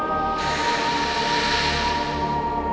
karena kita harus kembali ke tempat yang sama